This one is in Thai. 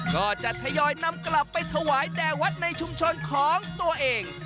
ก็จะทยอยนำกลับไปถวายแด่วัดในชุมชนของตัวเอง